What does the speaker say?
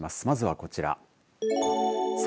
まずはこちら。